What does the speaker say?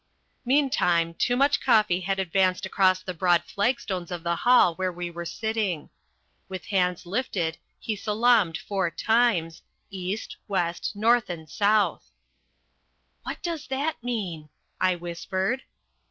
Meantime, Toomuch Koffi had advanced across the broad flagstones of the hall where we were sitting. With hands lifted he salaamed four times east, west, north, and south. "What does that mean?" I whispered.